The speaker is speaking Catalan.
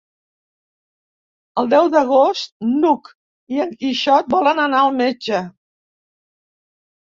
El deu d'agost n'Hug i en Quixot volen anar al metge.